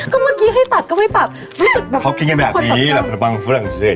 ก็เมื่อกี้ให้ตัดก็ไม่ตัดเขากินกันแบบนี้แบบระบังฝรั่งเศส